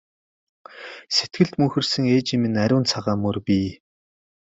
Сэтгэлд мөнхөрсөн ээжийн минь ариун цагаан мөр бий!